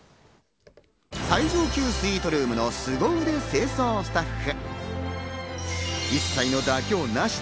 最上級スイートルームの凄腕清掃スタッフ。